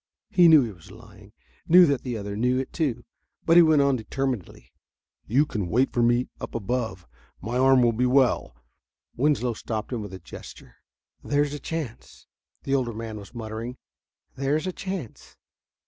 He knew he was lying, knew that the other knew it too, but he went on determinedly. "You can wait for me up above. My arm will be well " Winslow stopped him with a gesture. "There's a chance," the older man was muttering, "there's a chance...."